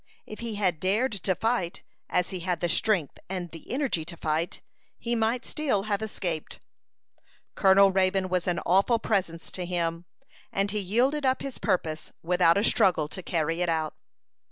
If he had dared to fight, as he had the strength and the energy to fight, he might still have escaped. Colonel Raybone was an awful presence to him, and he yielded up his purpose without a struggle to carry it out.